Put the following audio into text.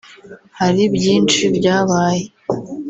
Hari byinshi byabaye